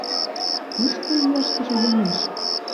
Кушко ияшкыже йомеш?